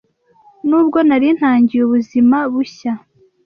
Nubwo nari ntangiye ubuzima bushya